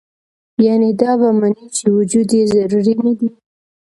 يعني دا به مني چې وجود ئې ضروري نۀ دے